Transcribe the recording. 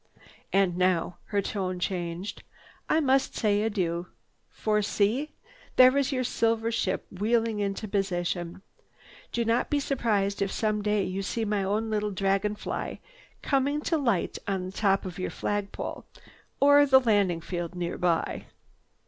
"And now," her tone changed, "I must say adieu, for see! There is your silver ship wheeling into position. Do not be surprised if some day you see my own little dragon fly coming to light on the top of your flag pole or the landing field nearby.